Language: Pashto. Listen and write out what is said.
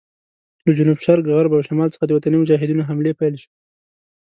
له جنوب شرق، غرب او شمال څخه د وطني مجاهدینو حملې پیل شوې.